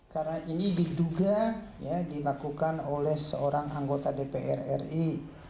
karena ini diduga ya dilakukan oleh seorang anggota dpr ri